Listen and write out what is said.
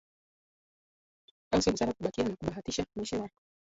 au siyo busara kubakia na kubahatisha maisha yao